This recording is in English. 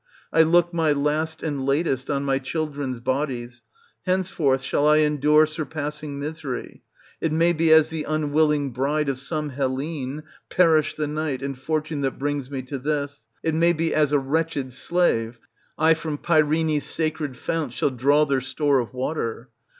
I look my last and latest on my children's bodies ; henceforth shall I endure surpassing misery ; it may be as the unwilling bride of some Hellene (perish the night and fortune that brings me to this!); it may be as a wretched slave I from Peirene's sacred fount shall draw their store of water.